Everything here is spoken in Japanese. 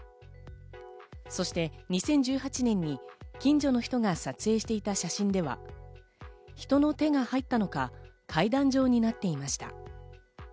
そして２０１８年に近所の人が撮影していた写真では、人の手が入ったのか階段状になっていました。